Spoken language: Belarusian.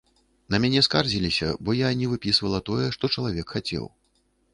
На мяне скардзіліся, бо я не выпісвала тое, што чалавек хацеў.